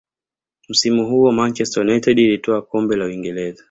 msimu huo manchester united ilitwaa kombe la uingereza